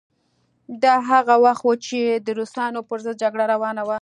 دا هغه وخت و چې د روسانو پر ضد جګړه روانه وه.